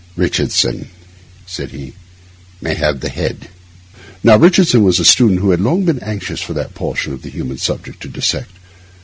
'Richardson,' said he, 'may have the head.' Now Richardson was a student who had long been anxious for that portion of the human subject to dissect.